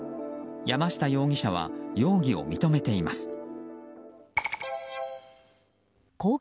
山下容疑者は容疑を認めています。